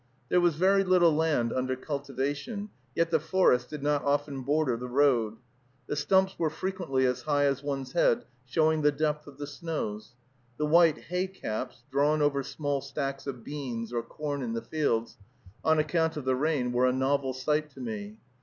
There was very little land under cultivation, yet the forest did not often border the road. The stumps were frequently as high as one's head, showing the depth of the snows. The white hay caps, drawn over small stacks of beans or corn in the fields on account of the rain, were a novel sight to me.